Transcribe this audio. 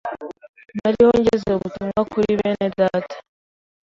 Nariho ngeza ubutumwa kuri bene Data,